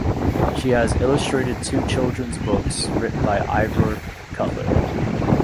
She has illustrated two children's books written by Ivor Cutler.